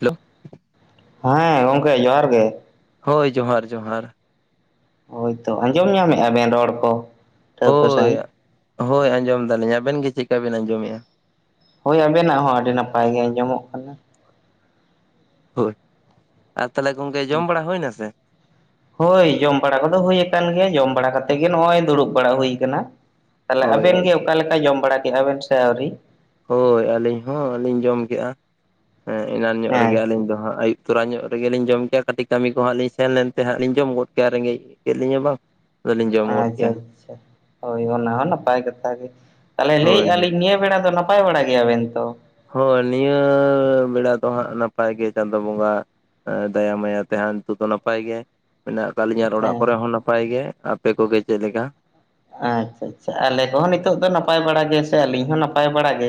Hello ᱦᱮᱸ ᱜᱚᱢᱠᱮ ᱡᱚᱦᱟᱨ ᱜᱮ ᱦᱳᱭ ᱡᱚᱦᱟᱨ ᱡᱚᱦᱟᱨ ᱦᱳᱭᱛᱚ ᱟᱸᱡᱚᱢ ᱧᱟᱢᱮᱫᱼᱟ ᱵᱮᱱ ᱨᱚᱲ ᱠᱚ ᱴᱷᱟᱹᱣᱠᱟᱹ ᱦᱳᱭ ᱥᱟᱹᱦᱤᱡ ᱦᱳᱭ ᱟᱸᱡᱚᱢ ᱫᱟᱞᱤᱧ ᱟᱵᱮᱱ ᱜᱮ ᱪᱮᱠᱟ ᱵᱮᱱ ᱟᱸᱡᱚᱢᱮᱫᱼᱟ ᱦᱳᱭ ᱟᱵᱮᱱᱟᱜ ᱦᱚᱸ ᱟᱹᱰᱤ ᱱᱟᱯᱟᱭ ᱜᱮ ᱟᱸᱡᱚᱢᱚᱜ ᱠᱟᱱᱟ ᱦᱳᱭ ᱟᱨ ᱛᱟᱦᱚᱞᱮ ᱜᱚᱢᱠᱮ ᱡᱚᱢ ᱵᱟᱲᱟ ᱦᱩᱭᱱᱟ ᱥᱮᱸ ᱦᱳᱭ ᱡᱚᱢ ᱵᱟᱲᱟ ᱠᱚᱫᱚ ᱦᱩᱭᱩ ᱟᱠᱟᱱ ᱜᱮᱭᱟ ᱡᱚᱢ ᱵᱟᱲᱟ ᱠᱟᱛᱮ ᱜᱮ ᱱᱚᱜᱼᱚᱭ ᱫᱩᱲᱩᱵ ᱵᱟᱲᱟ ᱦᱩᱭ ᱟᱠᱟᱱᱟ ᱛᱟᱦᱚᱞᱮ ᱦᱳᱭ ᱟᱵᱮᱱ ᱜᱮ ᱚᱠᱟ ᱞᱮᱠᱟ ᱡᱚᱢ ᱵᱟᱲᱟ ᱠᱮᱜᱼᱟ ᱵᱮᱱ ᱥᱮ ᱟᱹᱣᱨᱤ ᱦᱳᱭ ᱟᱹᱞᱤᱧ ᱦᱚᱸᱞᱤᱧ ᱡᱚᱢ ᱠᱮᱫᱼᱟ ᱦᱮᱸ ᱮᱱᱟᱱ ᱧᱚᱜ ᱨᱮᱜᱮ ᱟᱹᱞᱤᱧ ᱟᱪᱪᱷᱟ ᱫᱚ ᱦᱟᱸᱜ ᱟᱹᱭᱩᱵ ᱛᱚᱨᱟ ᱧᱚᱜ ᱨᱮᱜᱮᱞᱤᱧ ᱡᱚᱢ ᱠᱮᱭᱟ ᱠᱟᱹᱴᱤᱡ ᱠᱟᱹᱢᱤ ᱠᱚ ᱦᱟᱸᱜ ᱞᱤᱧ ᱥᱮᱱ ᱞᱮᱱᱛᱮ ᱦᱟᱸᱜ ᱞᱤᱧ ᱡᱚᱢ ᱜᱚᱫ ᱠᱮᱜᱼᱟ ᱨᱮᱸᱜᱮᱡ ᱠᱮᱫ ᱞᱤᱧᱟ ᱵᱟᱝ ᱟᱫᱚᱞᱤᱧ ᱡᱚᱢ ᱜᱚᱫ ᱟᱪᱪᱷᱟ ᱠᱮᱜᱼᱟ ᱟᱪᱪᱷᱟ ᱦᱳᱭ ᱚᱱᱟ ᱦᱚᱸ ᱱᱟᱯᱟᱭ ᱠᱟᱛᱷᱟ ᱜᱮ ᱛᱟᱦᱚᱞᱮ ᱦᱳᱭ ᱞᱟᱹᱭᱮᱜᱼᱟ ᱦᱳᱭ ᱞᱤᱧ ᱱᱤᱭᱟᱹ ᱵᱮᱲᱟ ᱫᱚ ᱱᱟᱭ ᱱᱟᱯᱟᱭ ᱵᱟᱲᱟ ᱜᱮᱭᱟ ᱵᱮᱱ ᱛᱚ ᱦᱳᱭ ᱱᱤᱭᱟᱹ ᱵᱮᱲᱟ ᱫᱚ ᱦᱟᱸᱜ ᱱᱟᱯᱟᱭ ᱜᱮ ᱪᱟᱸᱫᱳ ᱵᱚᱸᱜᱟ ᱫᱟᱭᱟ ᱢᱟᱭᱟ ᱛᱮ ᱦᱟᱱ ᱱᱤᱛ ᱫᱚ ᱱᱟᱯᱟᱭ ᱜᱮ ᱢᱮᱱᱟᱜ ᱠᱟᱜ ᱞᱤᱧᱟ ᱚᱲᱟᱜ ᱟᱪᱪᱷᱟ ᱠᱚᱨᱮ ᱦᱚᱸ ᱱᱟᱯᱟᱭ ᱜᱮ ᱟᱯᱮ ᱠᱚᱜᱮ ᱪᱮᱫᱞᱮ ᱞᱮᱠᱟ ᱟᱪᱷᱟ ᱟᱪᱷᱟ ᱟᱞᱮ ᱠᱚᱦᱚᱸ ᱱᱤᱛᱚᱜ ᱫᱚ ᱱᱟᱯᱟᱭ ᱵᱟᱲᱟ ᱜᱮ ᱥᱮ ᱟᱹᱞᱤᱧ ᱦᱚᱸ ᱱᱟᱯᱟᱭ ᱵᱟᱲᱟ ᱜᱮ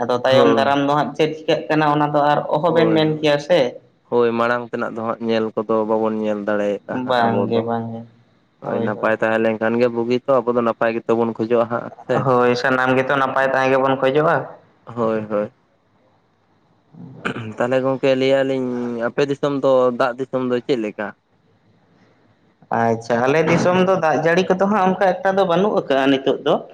ᱟᱫᱚ ᱛᱟᱭᱚᱢ ᱦᱳᱭ ᱫᱟᱨᱟᱢ ᱫᱚ ᱦᱟᱸᱜ ᱪᱮᱫ ᱪᱤᱠᱟᱹᱜ ᱠᱟᱱᱟ ᱚᱱᱟ ᱫᱚ ᱟᱨ ᱚᱦᱚᱸᱵᱮᱱ ᱦᱳᱭ ᱢᱮᱱ ᱦᱳᱭ ᱠᱮᱭᱟ ᱥᱮ ᱦᱳᱭ ᱢᱟᱲᱟᱝ ᱛᱮᱱᱟᱜ ᱫᱚ ᱦᱟᱸᱜ ᱧᱮᱞ ᱠᱚᱫᱚ ᱵᱟᱵᱚᱱ ᱧᱮᱞ ᱫᱟᱲᱮᱭᱟᱜᱼᱟ ᱦᱟᱸᱜ ᱟᱵᱚ ᱵᱟᱝᱜᱮ ᱫᱚ ᱵᱟᱝᱜᱮ ᱦᱳᱭ ᱱᱟᱯᱟᱭ ᱛᱟᱦᱮᱸ ᱞᱮᱱᱠᱷᱟᱱ ᱜᱮ ᱵᱩᱜᱤ ᱛᱚ ᱟᱵᱚ ᱫᱚ ᱱᱟᱯᱟᱭ ᱜᱮ ᱫᱚᱵᱚᱱ ᱠᱷᱚᱡᱚᱜᱼᱟ ᱦᱟᱸᱜ ᱾ ᱦᱳᱭ ᱥᱟᱱᱟᱢ ᱜᱮᱛᱚ ᱱᱟᱯᱟᱭ ᱛᱟᱦᱮᱸ ᱜᱮᱵᱚᱱ ᱠᱷᱚᱡᱚᱜᱼᱟ ᱾ ᱦᱳᱭ ᱦᱳᱭ ᱾ ᱛᱟᱦᱚᱞᱮ ᱜᱚᱝᱠᱮ ᱞᱟᱹᱭ ᱟᱞᱤᱧ ᱟᱯᱮ ᱫᱤᱥᱚᱢ ᱫᱚ ᱫᱟᱜ ᱫᱤᱥᱚᱢ ᱫᱚ ᱪᱮᱫ ᱞᱮᱠᱟ? ᱟᱪᱪᱷᱟ ᱟᱞᱮ ᱫᱤᱥᱚᱢ ᱫᱚ ᱫᱟᱜ ᱡᱟᱹᱲᱤ ᱠᱚᱫᱚ ᱦᱟᱸᱜ ᱚᱱᱠᱟ ᱮᱠᱴᱟ ᱫᱚ ᱵᱟᱹᱱᱩᱜ ᱠᱟᱜ-ᱟ ᱱᱤᱛᱳᱜ ᱫᱚ ᱾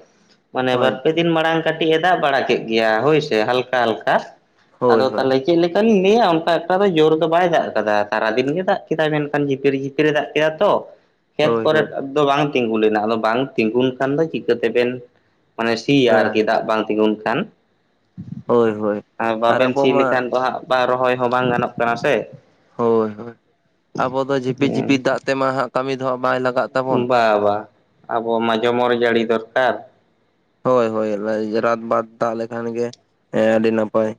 ᱢᱟᱱᱮ ᱵᱟᱨ ᱯᱮ ᱟᱪᱪᱷᱟ ᱫᱤᱱ ᱢᱟᱲᱟᱝ ᱠᱟᱹᱴᱤᱡ ᱮ ᱫᱟᱜ ᱵᱟᱲᱟ ᱠᱮᱫ ᱜᱮᱭᱟ ᱦᱳᱭᱥᱮ ᱦᱟᱞᱠᱟ ᱦᱟᱞᱠᱟ ᱾ ᱦᱳᱭ ᱟᱫᱚ ᱦᱳᱭ ᱛᱟᱦᱚᱞᱮ ᱪᱮᱫ ᱞᱮᱠᱟᱞᱤᱧ ᱞᱟᱹᱭᱟ ᱚᱱᱠᱟ ᱮᱠᱴᱟ ᱫᱚ ᱡᱳᱨ ᱫᱚ ᱵᱟᱭ ᱫᱟᱜ ᱟᱠᱟᱫᱟ ᱥᱟᱨᱟ ᱫᱤᱱ ᱜᱮ ᱫᱟᱜ ᱠᱮᱫᱟᱭ ᱢᱮᱱᱠᱷᱟᱱ ᱡᱷᱤᱯᱤᱨ ᱡᱷᱤᱯᱤᱨ ᱮ ᱫᱟᱜ ᱠᱮᱫᱟ ᱾ ᱠᱮᱫᱟ ᱛᱚ ᱠᱷᱮᱛ ᱦᱳᱭ ᱦᱳᱭ ᱠᱚᱨᱮᱫ ᱫᱚ ᱵᱟᱝ ᱛᱤᱸᱜᱩ ᱞᱮᱱᱟ ᱟᱫᱚ ᱵᱟᱝ ᱛᱤᱸᱜᱩᱱ ᱠᱷᱟᱱ ᱫᱚ ᱪᱤᱠᱟᱹ ᱛᱮᱵᱤᱱ ᱢᱟᱱᱮ ᱥᱤ ᱟᱨ ᱠᱤ ᱦᱮᱸ ᱫᱟᱜ ᱵᱟᱝ ᱛᱤᱸᱜᱩᱱ ᱠᱷᱟᱱ ᱾ ᱦᱳᱭ ᱦᱳᱭ ᱟᱨ ᱵᱟᱵᱮᱱ ᱟᱵᱚ ᱥᱤ ᱢᱟ ᱞᱮᱠᱷᱟᱱ ᱫᱚ ᱦᱟᱸᱜ ᱵᱟᱝ ᱨᱚᱦᱚᱭ ᱦᱚᱸ ᱵᱟᱝ ᱜᱟᱱᱚᱜ ᱠᱟᱱᱟ ᱥᱮ ᱾ ᱦᱳᱭ ᱦᱳᱭ ᱟᱵᱚ ᱫᱚ ᱡᱷᱤᱯᱤᱨ ᱦᱮᱸ ᱡᱷᱤᱯᱤᱨ ᱫᱟᱜ ᱛᱮᱢᱟ ᱦᱟᱸᱜ ᱠᱟᱹᱢᱤ ᱫᱚ ᱦᱟᱸᱜ ᱵᱟᱭ ᱞᱟᱜᱟᱜ ᱛᱟᱵᱚᱱᱟ ᱾ ᱵᱟ ᱵᱟ ᱟᱵᱚ ᱢᱟ ᱡᱷᱚᱢᱚᱨ ᱡᱟᱹᱲᱤ ᱫᱚᱨᱠᱟᱨ ᱦᱳᱭ ᱦᱳᱭ ᱨᱟᱛᱵᱟᱫ ᱫᱟᱜ ᱛᱟᱦᱚᱞᱮ ᱠᱷᱟᱱ ᱜᱮ ᱦᱮᱸ ᱟᱹᱰᱤ ᱱᱟᱯᱟᱭ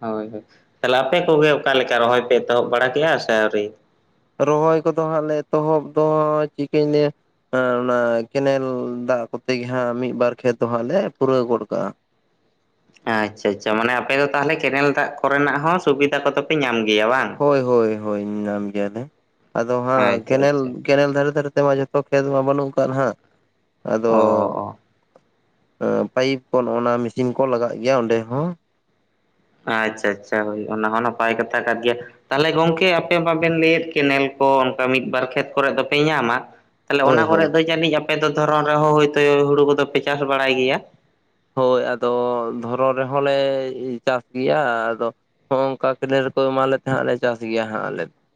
ᱦᱳᱭ ᱦᱳᱭ ᱛᱟᱦᱚᱞᱮ ᱟᱯᱮ ᱠᱚᱜᱮ ᱚᱠᱟ ᱞᱮᱠᱟ ᱨᱚᱦᱚᱭ ᱯᱮ ᱮᱛᱚᱦᱚᱵ ᱵᱟᱲᱟ ᱠᱮᱜᱼᱟ ᱥᱮ ᱟᱹᱣᱨᱤ ᱨᱚᱦᱚᱭ ᱠᱚᱫᱚ ᱦᱟᱸᱜ ᱞᱮ ᱮᱛᱚᱦᱚᱵ ᱫᱚ ᱪᱤᱠᱟᱹᱧ ᱞᱮᱭᱟ ᱾ ᱚᱱᱟ ᱠᱮᱱᱮᱞ ᱫᱟᱜ ᱠᱚᱛᱮ ᱜᱮ ᱦᱟᱸᱜ ᱢᱤᱫ ᱵᱟᱨ ᱠᱷᱮᱛ ᱫᱚ ᱦᱟᱸᱜ ᱞᱮ ᱯᱩᱨᱟᱹᱣ ᱜᱚᱫ ᱠᱟᱜᱼᱟ ᱾ ᱟᱪᱪᱷᱟ ᱟᱪᱪᱷᱟ ᱢᱟᱱᱮ ᱟᱯᱮ ᱫᱚ ᱛᱟᱦᱚᱞᱮ ᱠᱮᱱᱮᱞ ᱫᱟᱜ ᱠᱚᱨᱮᱱᱟᱜ ᱦᱚᱸ ᱥᱩᱵᱤᱫᱟ ᱠᱚᱫᱚ ᱯᱮ ᱧᱟᱢ ᱜᱮᱭᱟ ᱵᱟᱝ? ᱦᱳᱭ ᱦᱳᱭ ᱦᱳᱭ ᱧᱟᱢ ᱜᱮᱭᱟᱞᱮ ᱟᱫᱚ ᱦᱟᱸᱜ ᱟᱪᱪᱷᱟ ᱠᱮᱱᱮᱞ ᱟᱪᱪᱷᱟ ᱠᱮᱱᱮᱞ ᱫᱷᱟᱨᱮ ᱫᱷᱟᱨᱮ ᱛᱮᱢᱟ ᱡᱚᱛᱚ ᱠᱷᱮᱛ ᱢᱟ ᱵᱟᱹᱱᱩᱜ ᱠᱟᱜ-ᱟ ᱦᱟᱸᱜ ᱟᱫᱚ ᱚ ᱾ ᱚ ᱯᱟᱭᱤᱯ ᱠᱚ ᱱᱚᱜᱱᱟ ᱢᱮᱥᱤᱱ ᱠᱚ ᱞᱟᱜᱟᱜ ᱜᱮᱭᱟ ᱚᱸᱰᱮ ᱦᱚᱸ ᱾ ᱟᱪᱪᱷᱟ ᱟᱪᱪᱷᱟ ᱦᱳᱭ ᱚᱱᱟ ᱦᱚᱸ ᱱᱟᱯᱟᱭ ᱠᱟᱛᱷᱟ ᱠᱟᱱ ᱜᱮᱭᱟ ᱾ ᱛᱟᱦᱚᱞᱮ ᱜᱚᱢᱠᱮ ᱟᱯᱮ ᱵᱟᱵᱮᱱ ᱞᱟᱹᱭᱮᱫ ᱠᱮᱱᱮᱞ ᱠᱚ ᱚᱱᱠᱟ ᱢᱤᱫ ᱵᱟᱨ ᱠᱷᱮᱛ ᱠᱚᱨᱮ ᱫᱚᱯᱮ ᱧᱟᱢᱟ ᱾ ᱛᱟᱦᱞᱮ ᱦᱳᱭ ᱚᱱᱟ ᱦᱳᱭ ᱠᱚᱨᱮ ᱫᱚ ᱡᱟᱹᱱᱤᱡ ᱟᱯᱮ ᱫᱚ ᱫᱷᱚᱨᱚᱱ ᱨᱮᱦᱚᱸ ᱦᱭᱛᱳ ᱦᱩᱲᱩ ᱠᱚ ᱫᱚᱯᱮ ᱪᱟᱥ ᱵᱟᱲᱟᱭ ᱜᱮᱭᱟ? ᱦᱳᱭ ᱟᱫᱚ ᱫᱷᱚᱨᱚᱱ ᱨᱮᱦᱚᱸ ᱞᱮ ᱪᱟᱥ ᱜᱮᱭᱟ ᱟᱫᱚ ᱾ ᱦᱚᱸ ᱱᱝᱠᱟ ᱠᱮᱱᱮᱞ ᱨᱮᱠᱚ ᱮᱢᱟᱞᱮ [unintelligible] ᱪᱟᱥ ᱜᱮᱭᱟ ᱦᱟᱸᱜ ᱟᱞᱮ ᱫᱚ ᱾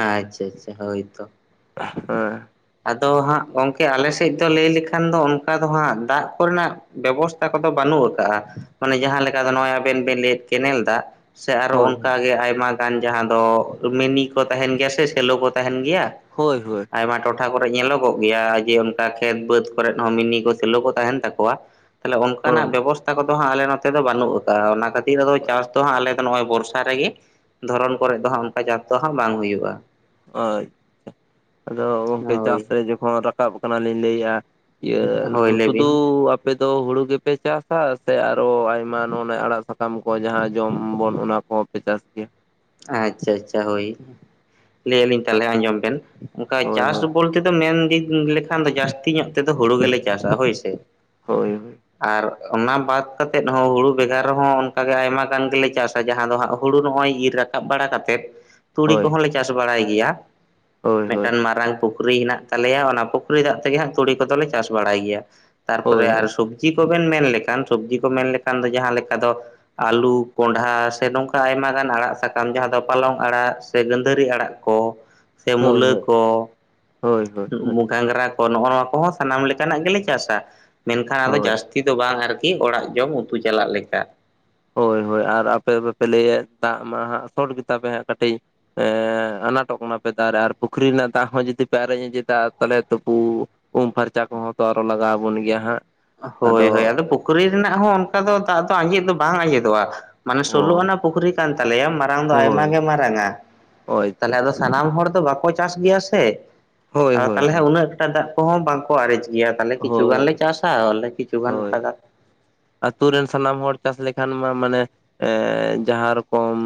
ᱟᱪᱪᱷᱟ ᱟᱪᱪᱷᱟ ᱦᱳᱭ ᱛᱚ ᱾ [unintelligible] ᱟᱫᱚ ᱦᱟᱸᱜ ᱜᱚᱝᱠᱮ ᱟᱞᱮ ᱥᱮᱫ ᱫᱚ ᱞᱟᱹᱭ ᱞᱮᱠᱷᱟᱱ ᱫᱚ ᱚᱱᱠᱟ ᱫᱚ ᱦᱟᱸᱜ ᱫᱟᱜ ᱠᱚᱨᱮᱱᱟᱜ ᱵᱮᱵᱚᱥᱛᱟ ᱠᱚᱫᱚ ᱵᱟᱹᱱᱩᱜ ᱟᱠᱟᱜᱼᱟ ᱢᱟᱱᱮ ᱡᱟᱦᱟᱸ ᱞᱮᱠᱟ ᱫᱚ ᱱᱚᱜᱼᱚᱭ ᱟᱵᱮᱱ ᱵᱮᱱ ᱞᱟᱹᱭᱮᱫ ᱠᱮᱱᱮᱞ ᱫᱟᱜ ‌ ᱥᱮ ᱟᱨᱚ ᱦᱳᱭ ᱚᱱᱠᱟᱜᱮ ᱟᱭᱢᱟ [unintelligible] ᱡᱟᱦᱟᱸ ᱫᱚ ᱢᱤᱱᱤ ᱠᱚ ᱛᱟᱸᱦᱮᱱ ᱜᱮᱭᱟ ᱥᱮ ᱥᱮᱞᱚ ᱠᱚ ᱛᱟᱸᱦᱮᱱ ᱜᱮᱭᱟ ᱾ ᱦᱳᱭ ᱦᱳᱭ ᱾ ᱟᱭᱢᱟ ᱴᱚ- ᱴᱷᱟ ᱠᱚᱨᱮ ᱧᱮᱞᱚᱜᱚᱜ ᱜᱮᱭᱟ ᱡᱮ ᱚᱱᱠᱟ ᱠᱷᱮᱛ ᱵᱟᱹᱫᱽ ᱠᱚᱨᱮ ᱦᱚᱸ ᱢᱤᱱᱤ ᱠᱚ ᱥᱮᱞᱚ ᱠᱚ ᱛᱟᱸᱦᱮᱱ ᱛᱟᱠᱚᱣᱟ ᱾ ᱛᱟᱦᱚᱞᱮ ᱚᱱᱠᱟᱱᱟᱜ ᱦᱳᱭ ᱵᱮᱵᱚᱥᱛᱟ ᱠᱚᱫᱚ ᱦᱟᱸᱜ ᱟᱞᱮ ᱱᱚᱛᱮ ᱫᱚ ᱵᱟᱹᱱᱩᱜ ᱠᱟᱼᱟ ᱚᱱᱟ ᱠᱷᱟᱹᱛᱤᱨ ᱟᱫᱚ ᱪᱟᱥ ᱫᱚ ᱦᱟᱸᱜ ᱟᱞᱮ ᱱᱚᱜᱼᱚᱭ ᱵᱚᱨᱥᱟ ᱨᱮᱜᱮ ᱫᱷᱚᱨᱚᱱ ᱠᱚᱨᱮ ᱫᱚ ᱦᱟᱸᱜ ᱚᱱᱠᱟ ᱪᱟᱥ ᱫᱚ ᱦᱟᱸᱜ ᱵᱟᱝ ᱦᱩᱭᱩᱜᱼᱟ ᱾ ᱟᱪᱪᱷᱟ ᱟᱫᱚ ᱜᱚᱝᱠᱮ ᱪᱟᱥ ᱦᱳᱭ ᱥᱮ ᱡᱚᱠᱷᱚᱱ ᱨᱟᱠᱟᱵ ᱠᱟᱱᱟᱞᱤᱧ ᱞᱟᱹᱭᱮᱼᱟ - ᱤᱭᱟ. ᱦᱳᱭ ᱞᱟᱹᱭ ᱵᱤᱱ ᱥᱩᱫᱩ ᱟᱯ- ᱮᱫᱚ ᱦᱩᱲᱩ ᱜᱮᱯᱮ ᱪᱟᱥᱟ ᱥᱮ ᱟᱨᱚ ᱟᱭᱢᱟ ᱱᱚᱰᱮ ᱟᱲᱟᱜ ᱥᱟᱠᱟᱢ ᱠᱚ ᱡᱟᱦᱟᱸ ᱡᱚᱢ ᱟᱵᱚᱱ ᱚᱱᱟ ᱠᱚ? ᱯᱮ ᱪᱟᱥ ᱜᱮᱭᱟ ᱟᱪᱪᱷᱟ ᱟᱪᱪᱷᱟ ᱦᱳᱭ ᱞᱟᱹᱭ ᱟᱞᱤᱧ ᱛᱟᱦᱚᱞᱮ ᱟᱸᱡᱚᱢ ᱵᱮᱱ ᱚᱱᱠᱟ ᱦᱳᱭ ᱪᱟᱥ ᱦᱳᱭ ᱵᱚᱞᱛᱮ ᱫᱚ ᱢᱮᱱ ᱞᱮᱠᱷᱟᱱ ᱫᱚ ᱡᱟᱹᱥᱛᱤ ᱧᱚᱜ ᱛᱮᱫᱚ ᱦᱩᱲᱩ ᱜᱮᱞᱮ ᱪᱟᱥᱟ ᱦᱳᱭ ᱥᱮ ᱾ ᱦᱳᱭ ᱦᱳᱭ ᱾ ᱟᱨ ᱚᱱᱟ ᱵᱟᱫ ᱠᱟᱛᱮᱫ ᱦᱚᱸ ᱦᱩᱲᱩ ᱵᱮᱜᱟᱨ ᱨᱮᱦᱚᱸ ᱚᱱᱠᱟ ᱜᱮ ᱟᱭᱢᱟ ᱜᱟᱱ ᱜᱮᱞᱮ ᱪᱟᱥ ᱟ ᱡᱟᱦᱟᱸ ᱫᱚ ᱦᱟᱸᱜ ᱦᱩᱲᱩ ᱱᱚᱜᱼᱚᱭ ᱤᱨ ᱨᱟᱠᱟ- ᱵ ᱵᱟᱲᱟ ᱠᱟᱛᱮᱫ ᱛᱩᱲᱤ ᱦᱳᱭ ᱠᱚᱦᱚᱸ ᱞᱮ ᱪᱟᱥ ᱵᱟᱲᱟᱭ ᱜᱮᱭᱟ ᱦᱳᱭ ᱦᱳᱭ ᱢᱤᱫᱴᱟᱝ ᱢᱟᱨᱟᱝ ᱯᱩᱠᱷ- ᱨᱤ ᱦᱮᱸᱱᱟᱜ ᱛᱟᱞᱮᱭᱟ ᱚᱱᱟ ᱯᱩᱠᱷᱨᱤ ᱫᱟᱜ ᱛᱮᱜᱮ ᱦᱟᱸᱜ ᱛᱩᱲᱤ ᱠᱚᱫᱚ ᱞᱮ ᱪᱟᱥ ᱵᱟᱲᱟᱭ ᱜᱮᱭᱟ ᱾ ᱛᱟᱨ ᱯᱚᱨᱮ ᱦᱳᱭ ᱟᱨ ᱥᱚᱵ- ᱡᱤ ᱠᱚᱵᱮᱱ ᱢᱮᱱ ᱞᱮᱠᱷᱟᱱ ᱥᱚᱵᱽᱡᱤ ᱠᱚ ᱢᱮᱱ ᱞᱮᱠᱷᱟᱱ ᱫᱚ ᱡᱟᱦᱟᱸ ᱞᱮᱠᱟ ᱫᱚ ᱟᱞᱩ ᱠᱚᱸᱰᱷᱟ ᱥᱮ ᱱᱚᱝᱠᱟ ᱟᱭᱢᱟ ᱜᱟᱱ ᱟᱲᱟᱜ ᱥᱟ- ᱠᱟᱢ ᱡᱟᱦᱟᱸ ᱫᱚ ᱯᱟᱞᱚᱝ ᱟᱲᱟᱜ ᱥᱮ ᱜᱟᱹᱸᱫᱷᱟᱹᱨᱤ ᱟᱲᱟᱜ ᱠᱚ ᱥᱮ ᱦᱳᱭ ᱢᱩᱞᱟᱹ ᱦᱳᱭ ᱠᱚ ᱦᱳᱭ ᱦᱳᱭ ᱦᱳᱭ ᱦᱳᱭ ᱜᱷᱟᱸᱝᱨᱟ ᱠᱚ ᱱᱚᱜᱼᱚ ᱱᱚᱣᱟ ᱠᱚᱦᱚᱸ ᱥᱟᱱᱟᱢ ᱞᱮᱠᱟᱱᱟᱜ ᱜᱮᱞᱮ ᱪᱟᱥᱟ ᱢᱮᱱᱠᱷᱟᱱ ᱟᱫᱚ ᱦᱳᱭ ᱡᱟᱹᱥ- ᱛᱤ ᱫᱚ ᱵᱟᱝ ᱟᱨᱠᱤ ᱚᱲᱟᱜ ᱡᱚᱢ ᱩᱛᱩ ᱪᱟᱞᱟᱜ ᱞᱮᱠᱟ ᱦᱳᱭ ᱦᱳᱭ ᱟᱨ ᱟᱯᱮ ᱫᱚᱯᱮ ᱞᱟᱹᱭᱟ ᱫᱟᱜ ᱢᱟ ᱦᱟᱸᱜ ᱥᱚᱴ ᱜᱮᱛᱟ ᱯᱮ ᱦᱟᱸᱜ ᱠᱟᱹᱴᱤᱡ ᱮᱸ ᱟᱱᱟᱴᱚᱜ ᱠᱟᱱᱟ ᱯᱮ ᱫᱟᱜ ᱨᱮ ᱟᱨ ᱯᱩᱠᱷᱨᱤ ᱨᱮᱱᱟᱜ ᱫᱟᱜ ᱦᱚᱸ ᱡᱩᱫᱤ ᱯᱮ ᱟᱨᱮᱡ ᱟᱡᱮᱫᱟ ᱛᱟᱦᱞᱮ ᱛᱚᱯᱩ ᱩᱢ ᱯᱷᱟᱨᱪᱟ ᱠᱚᱦᱚᱸ ᱛᱚ ᱟᱨᱚ ᱞᱟᱜᱟᱣ ᱟᱵᱚᱱ ᱜᱮᱭᱟ ᱦᱟᱸᱜ ᱦᱳᱭ ᱦᱳᱭ ᱟᱫᱚ ᱯᱩᱠᱷᱨᱤ ᱨᱮᱱᱟᱜ ᱦᱚᱸ ᱚᱱᱠᱟ ᱫᱚ ᱫᱟᱜ ᱫᱚ ᱟᱸᱡᱮᱫ ᱫᱚ ᱵᱟᱝ ᱟᱸᱡᱮᱫᱚᱜᱼᱟ ᱢᱟᱱᱮ ᱥᱳᱞᱳ ᱚ ᱟᱱᱟᱜ ᱯᱩᱠᱷᱨᱤ ᱠᱟᱱ ᱛᱟᱞᱮᱭᱟ ᱢᱟᱨᱟᱝ ᱫᱚ ᱟᱭᱢᱟ ᱜᱮ ᱦᱳᱭ ᱢᱟᱨᱟᱝᱟ ᱦᱳᱭ ᱛᱟᱦᱞᱮ ᱟᱫᱚ ᱥᱟᱱᱟᱢ ᱦᱚᱲ ᱫᱚ ᱵᱟᱠᱚ ᱪᱟᱥ ᱜᱮᱭᱟ ᱥᱮ ᱦᱳᱭ ᱟᱫᱚ ᱛᱟᱞᱦᱮ ᱦᱳᱭ ᱩᱱᱟᱹᱜ ᱴᱟ ᱫᱟᱜ ᱠᱚᱦᱚᱸ ᱵᱟᱝᱠᱚ ᱟᱨᱮᱡ ᱜᱮᱭᱟ ᱦᱳᱭ ᱛᱟᱦᱚᱞᱮ ᱠᱤᱪᱷᱩ ᱜᱟᱱᱞ ᱞᱮ ᱦᱳᱭ ᱪᱟᱥᱟ ᱟᱞᱮ ᱠᱤᱪᱷᱩᱜᱟᱱ [unintelligible] ᱟ. ᱛᱩ ᱨᱮᱱ ᱥᱟᱱᱟᱢ ᱦᱚᱲ ᱪᱟᱥ ᱞᱮᱠᱷᱟᱱ ᱢᱟ ᱢᱟᱱᱮ ᱮᱸ ᱡᱟᱦᱟᱸ ᱨᱚᱠᱚᱢ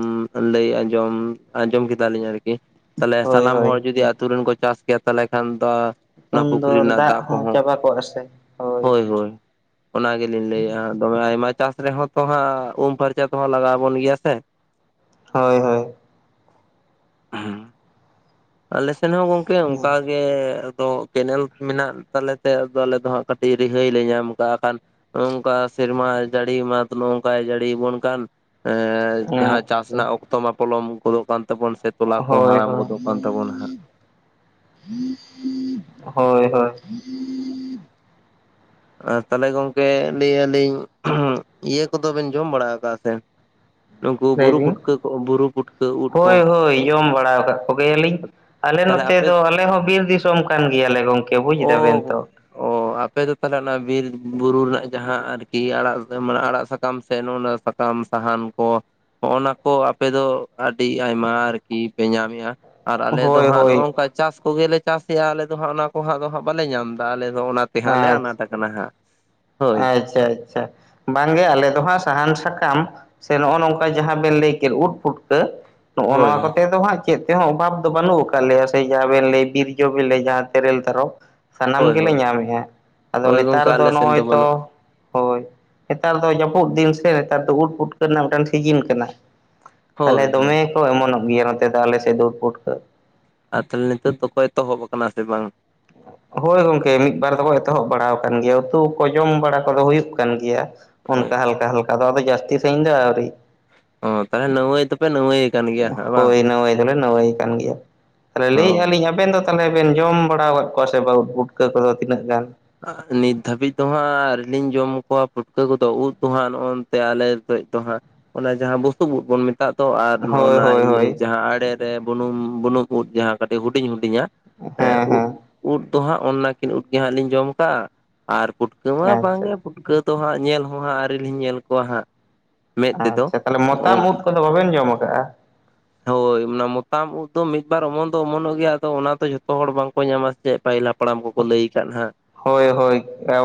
ᱞᱟᱹᱭ ᱟᱸᱡᱚᱢ ᱟᱸᱡᱚᱢ ᱠᱮᱫᱟᱞᱤᱧ ᱟᱨᱠᱤ ᱛᱟᱦᱚᱞᱮ ᱦᱳᱭ ᱥᱟᱱᱟᱢ ᱦᱳᱭ ᱦᱚᱲ ᱡᱩᱫᱤ ᱟᱹᱛᱩ ᱨᱮᱱ ᱠᱚ ᱪᱟᱥ ᱠᱮᱭᱟ ᱛᱟᱦᱚᱞᱮ ᱠᱷᱟᱱ ᱫᱚ ᱚᱱᱟ ᱯᱩᱠᱷᱨᱤ ᱨᱮᱱᱟᱜ ᱫᱟᱜ ᱠᱚᱦᱚᱸ [unintelligible] ᱦᱳᱭ ᱦᱳᱭ ᱚᱱᱟ ᱜᱮᱞᱤᱧ ᱞᱟᱹᱭᱮᱜᱼᱟ ᱛᱚᱢᱮ ᱟᱭᱢᱟ ᱪᱟᱥ ᱨᱮᱦᱚᱸ ᱛᱚ ᱦᱟᱸᱜ ᱩᱢ ᱯᱷᱟᱨᱪᱟ ᱛᱮᱦᱚᱸ ᱞᱟᱜᱟᱣ ᱵᱚᱱ ᱜᱮᱭᱟ ᱥᱮ ᱦᱳᱭ ᱦᱳᱭ ᱦᱚᱸ ᱟᱞᱮᱥᱮᱱ ᱦᱚᱸ ᱜᱚᱝᱠᱮ ᱚᱱᱠᱟᱜᱮ ᱟᱫᱚ ᱠᱮᱱᱮᱞ ᱢᱮᱱᱟᱜ ᱛᱟᱞᱮᱛᱮ ᱟᱫᱚ ᱟᱞᱮ ᱫᱚ ᱦᱟᱸᱜ ᱠᱟᱹᱴᱤᱡ ᱨᱤᱦᱟᱹᱭ ᱞᱮ ᱧᱟᱢ ᱟᱠᱟᱜᱼᱟ ᱠᱟᱱ ᱱᱚᱝᱠᱟ ᱥᱮᱨᱢᱟ ᱡᱟᱹᱲᱤ ᱢᱟᱛᱚ ᱱᱚᱝᱠᱟᱭ ᱡᱟᱹᱲᱤᱵᱚᱱ ᱠᱟᱱ ᱮᱸ ᱡᱟᱦᱟᱸ ᱪᱟᱥ ᱟᱪᱪᱷᱟ ᱨᱮᱱᱟᱜ ᱚᱠᱛᱚ ᱢᱟ ᱯᱚᱞᱚᱢ ᱜᱚᱫᱚᱜ ᱠᱟᱱ ᱛᱟᱵᱚᱱ ᱥᱮ ᱛᱚᱞᱟ ᱠᱚ ᱦᱳᱭ ᱦᱟᱲᱟᱢ ᱦᱳᱭ ᱜᱚᱫᱚᱜ ᱛᱟᱵᱚᱱ ᱦᱟᱸᱜ ᱦᱳᱭ ᱦᱳᱭ ᱟᱨ ᱛᱟᱦᱚᱞᱮ ᱜᱚᱝᱠᱮ ᱞᱟᱹᱭ ᱮᱜ-ᱟ ᱞᱤᱧ ᱤᱭᱟᱹ ᱠᱚᱫᱚ ᱵᱮᱱ ᱡᱚᱢ ᱵᱟᱲᱟ ᱟᱠᱟᱜᱼᱟ ᱥᱮ ᱱᱩᱠᱩ ᱞᱟᱹᱭ ᱵᱩᱨᱩ ᱵᱤᱱ ᱯᱩᱴᱠᱟᱹ ᱠᱚ ᱵᱩᱨᱩ ᱯᱩᱴᱠᱟᱹ ᱩᱫ ᱠᱚ ᱦᱳᱭ ᱦᱳᱭ ᱡᱚᱢ ᱵᱟᱲᱟ ᱠᱟᱜ ᱠᱚᱜᱮᱭᱟᱞᱤᱧ ᱟᱞᱮ ᱛᱟᱦᱚᱞᱮ ᱱᱚᱛᱮ ᱟᱯᱮ ᱫᱚ ᱟᱞᱮ ᱦᱚᱸ ᱵᱤᱨ ᱫᱤᱥᱚᱢ ᱠᱟᱱ ᱜᱮᱭᱟᱞᱮ ᱜᱚᱝᱠᱮ ᱵᱩᱡ ᱳᱦ ᱫᱟᱵᱮᱱ ᱛᱚ ᱚ ᱟᱯᱮᱫᱚ ᱛᱟᱦᱚᱞᱮ ᱚᱱᱟ ᱵᱤᱨ ᱵᱩᱨᱩ ᱨᱮᱱᱟᱜ ᱡᱟᱦᱟᱸ ᱟᱨᱠᱤ ᱟᱲᱟᱜ ᱥᱟᱢ ᱢᱟᱱᱮ ᱟᱲᱟᱜ ᱥᱟᱠᱟᱢ ᱛᱮ ᱱᱚᱜ ᱚᱱᱟ ᱥᱟᱢ ᱥᱟᱦᱟᱱ ᱠᱚ ᱦᱚᱸᱜᱼ ᱱᱟ ᱠᱚ ᱟᱯᱮ ᱫᱚ ᱟᱹᱰᱤ ᱟᱭᱢᱟ ᱟᱨᱠᱤ ᱯᱮ ᱧᱟᱢᱮᱫᱼᱟ ᱟᱨ ᱟᱞᱮ ᱫᱚ ᱦᱳᱭ ᱦᱟᱸᱜ ᱦᱳᱭ ᱱᱚᱜᱼᱚ ᱱᱚᱝᱠᱟ ᱪᱟᱥ ᱠᱚᱜᱮᱞᱮ ᱪᱟᱥᱮᱫᱼᱟ ᱟᱞᱮ ᱫᱚ ᱦᱟᱸᱜ ᱚᱱᱟ ᱠᱚ ᱦᱟᱸᱜ ᱫᱚ ᱦᱟᱸᱜ ᱵᱟᱞᱮ ᱧᱟᱢᱫᱟ ᱟᱞᱮ ᱫᱚ ᱚᱱᱟ ᱛᱮᱦᱟᱸᱜ ᱞᱮ ᱟᱪᱪᱷᱟ ᱟᱱᱟᱴ ᱠᱟᱱᱟ ᱦᱟᱸᱜ ᱦᱳᱭ ᱟᱪᱪᱷᱟ ᱟᱪᱪᱷᱟ ᱵᱟᱝᱜᱮ ᱟᱞᱮ ᱫᱚ ᱦᱟᱸᱜ ᱥᱟᱦᱟᱱ ᱥᱟᱠᱟᱢ ᱥᱮ ᱱᱚᱜᱼᱚ ᱱᱚᱝᱠᱟ ᱡᱟᱦᱟᱸ ᱵᱮᱱ ᱞᱟᱹᱭ ᱠᱮᱫ ᱩᱫ ᱯᱷᱩᱴᱠᱟᱹ ᱱᱚᱜᱼᱚ ᱦᱳᱭ ᱱᱚᱣᱟ ᱠᱚᱛᱮ ᱫᱚ ᱦᱟᱸᱜ ᱪᱮᱫ ᱛᱮᱦᱚᱸ ᱚᱵᱷᱟᱵᱽ ᱫᱚ ᱵᱟᱹᱱᱩᱜ ᱟᱠᱟᱫ ᱞᱮᱭᱟ ᱥᱮ ᱡᱟᱦᱟᱸᱵᱮᱱ ᱞᱟᱹᱭ ᱵᱤᱨ ᱡᱚ ᱵᱮᱤᱱ ᱞᱟᱹᱭ ᱡᱟᱦᱟᱸ ᱛᱮᱨᱮᱞ ᱛᱟᱨᱚᱵ ᱥᱟᱱᱟᱢ ᱦᱳᱭ ᱜᱮᱞᱮ ᱦᱳᱭ ᱧᱟᱢᱮᱫᱼᱟ ᱟᱫᱚ ᱦᱳᱭ ᱱᱮᱛᱟᱨ ᱜᱚᱝᱠᱮ ᱫᱚ ᱟᱞᱮ ᱥᱮᱱ ᱱᱚᱜᱼᱚᱭ ᱛᱚ ᱵᱟᱹᱱᱩᱜ ᱦᱳᱭ ᱱᱮᱛᱟᱨ ᱫᱚ ᱡᱟᱹᱯᱩᱫ ᱫᱤᱱ ᱥᱮ ᱱᱮᱛᱟᱨ ᱫᱚ ᱩᱫ ᱯᱷᱩᱴᱠᱟᱹ ᱨᱮᱱᱟᱜ ᱢᱤᱫᱴᱟᱱ ᱥᱤᱡᱤᱱ ᱠᱟᱱᱟ ᱛᱟᱦᱞᱮ ᱦᱳᱭ ᱦᱳᱭ ᱫᱚᱢᱮ ᱠᱚ ᱮᱢᱚᱱᱚᱜ ᱜᱮᱭᱟ ᱱᱚᱛᱮ ᱫᱚ ᱟᱞᱮ ᱥᱮᱫ ᱫᱚ ᱩᱫ ᱯᱩᱴᱠᱟᱹ ᱟᱨ ᱛᱟᱦᱚᱞᱮ ᱱᱤᱛᱚᱜ ᱫᱚᱠᱚ ᱮᱛᱚᱦᱚᱵ ᱟᱠᱟᱱᱟ ᱥᱮ ᱵᱟᱝ ᱦᱳᱭ ᱜᱚᱝᱠᱮ ᱢᱤᱫᱵᱟᱨ ᱫᱚᱠᱚ ᱮᱛᱚᱦᱚᱵ ᱵᱟᱲᱟ ᱟᱠᱟᱱ ᱜᱮᱭᱟ ᱩᱛᱩ ᱠᱚ ᱡᱚᱢ ᱵᱟᱲᱟ ᱠᱚᱫᱚ ᱦᱩᱭᱩᱜ ᱠᱟᱱ ᱜᱮᱭᱟ ᱦᱳᱭ ᱚᱱᱠᱟ ᱦᱟᱞᱠᱟ ᱦᱟᱞᱠᱟ ᱫᱚ ᱟᱫᱚ ᱡᱟᱹᱥᱛᱤ ᱥᱟᱺᱦᱤᱡ ᱫᱚ ᱟᱹᱣᱨᱤ ᱳᱻ ᱛᱟᱦᱮᱞᱮ ᱱᱚᱜ ᱚᱭ ᱛᱚ ᱯᱮ ᱱᱟᱹᱢᱟᱹᱭ ᱦᱳᱭ ᱱᱟᱹᱢᱟᱹᱭ ᱫᱚᱞᱮ ᱱᱟᱹᱢᱟᱹᱭ ᱠᱟᱱ ᱜᱮᱭᱟ ᱛᱟᱦᱞᱮ ᱞᱟᱹᱭᱮᱜᱼᱟ ᱚ ᱞᱤᱧ ᱟᱵᱮᱱ ᱫᱚ ᱛᱟᱦᱚᱞᱮ ᱵᱮᱱ ᱡᱚᱢ ᱵᱟᱲᱟ ᱟᱠᱟᱫ ᱠᱚᱣᱟ ᱥᱮ ᱵᱟᱝ ᱩᱫ ᱯᱩᱴᱠᱟᱹ ᱠᱚᱫᱚ ᱛᱤᱱᱟᱹᱜ ᱜᱟᱱ ᱟᱸᱦ ᱱᱤᱛ ᱫᱷᱟᱹᱵᱤᱡ ᱫᱚᱦᱟᱸᱜ ᱟᱨ ᱞᱤᱧ ᱡᱚᱢ ᱠᱚᱣᱟ ᱯᱷᱩᱴᱠᱟᱹ ᱠᱚᱫᱚ ᱩᱫ ᱫᱚ ᱦᱟᱸᱜ ᱱᱚᱜᱼᱚᱱ ᱱᱚᱱᱛᱮ ᱟᱞᱮ ᱥᱮᱫ ᱫᱚ ᱦᱟᱸᱜ ᱚᱱᱟ ᱡᱟᱦᱟᱸ ᱵᱩᱥᱩᱵ ᱩᱫ ᱵᱚᱱ ᱢᱮᱛᱟᱜ ᱛᱚ ᱟᱨ ᱦᱳᱭ ᱱᱚᱜᱼᱱᱟ ᱦᱳᱭ ᱤᱭᱟᱹ ᱦᱳᱭ ᱡᱟᱦᱟᱸ ᱟᱲᱮᱨᱮ ᱵᱩᱱᱩᱢ ᱵᱩᱱᱩᱢ ᱩᱫ ᱡᱟᱦᱟᱸ ᱠᱟᱹᱴᱤᱡ ᱦᱩᱰᱤᱧ ᱦᱩᱰᱤᱧᱟ ᱦᱮᱸ ᱩᱫ ᱦᱮᱸ ᱩᱫ ᱫᱚ ᱦᱟᱸᱜ ᱚᱱᱟᱠᱤᱱ ᱩᱫ ᱜᱮ ᱦᱟᱸᱜ ᱞᱤᱧ ᱡᱚᱢ ᱠᱟᱜ-ᱟ ᱟᱨ ᱯᱩᱴ ᱯᱩᱴᱠᱟᱹ ᱢᱟ ᱟᱪᱪᱷᱟ ᱵᱟᱝᱜᱮ ᱯᱩᱴᱠᱟᱹ ᱫᱚ ᱦᱟᱸᱜ ᱧᱮᱞ ᱦᱚᱸ ᱦᱟᱸᱜ ᱟᱨᱮᱞᱤᱧ ᱧᱮᱞ ᱠᱚᱣᱟ ᱦᱟᱸᱜ ᱢᱮᱫ ᱛᱮᱫᱚ ᱟᱪᱪᱷᱟ ᱛᱟᱦᱚᱞᱮ ᱢᱚᱛᱟᱢ ᱩᱫ ᱠᱚᱫᱚ ᱵᱟᱵᱮᱱ ᱡᱚᱢ ᱟᱠᱟᱟᱜ-ᱟ ᱦᱳᱭ ᱚᱱᱟ ᱢᱚᱛᱟᱢ ᱩᱫ ᱫᱚ ᱢᱤᱫ ᱵᱟᱨ ᱚᱢᱚᱱ ᱫᱚ ᱚᱢᱚᱱᱚᱜ ᱜᱮᱭᱟ ᱟᱫᱚ ᱚᱱᱟ ᱫᱚ ᱡᱷᱚᱛᱚ ᱦᱚᱲ ᱵᱟᱝᱠᱚ ᱧᱟᱢᱟ ᱪᱮᱫ ᱯᱟᱹᱦᱤᱞ ᱦᱟᱯᱲᱟᱢ ᱠᱚᱠᱚ ᱞᱟᱹᱭ ᱟᱠᱟᱫ ᱦᱟᱸᱜ ᱦᱳᱭ ᱦᱳᱭ